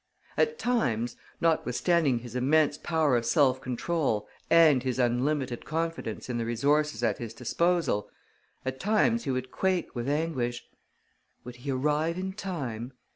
At times, notwithstanding his immense power of self control and his unlimited confidence in the resources at his disposal, at times he would quake with anguish. Would he arrive in time?